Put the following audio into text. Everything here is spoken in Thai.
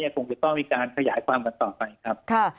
คงจะต้องมีการขยายความกันต่อไปครับ